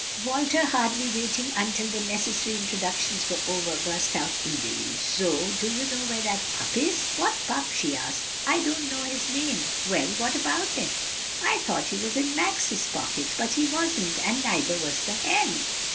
Walter, hardly waiting until the necessary introductions were over, burst out eagerly, "Zoe, do you know where that pup is?" "What pup?" she asked. "I don't know his name." "Well, what about him?" "I thought he was in Max's pocket, but he wasn't, and neither was the hen."